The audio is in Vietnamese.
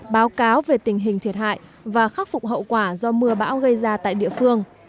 báo cáo về tình hình thiệt hại và khắc phục hậu quả do mưa bão gây ra tại địa phương